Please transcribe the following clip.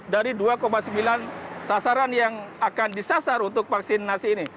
dari dua sembilan sasaran yang akan disasar untuk vaksinasi ini